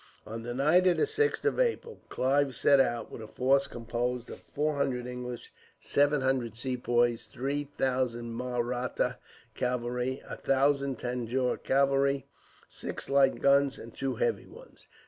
On the night of the 6th of April Clive set out; with a force composed of four hundred English, seven hundred Sepoys, three thousand Mahratta cavalry, a thousand Tanjore cavalry, six light guns and two heavy ones.